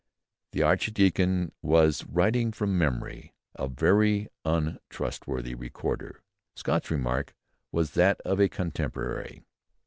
The archdeacon was writing from memory a very untrustworthy recorder; Scott's remark was that of a contemporary.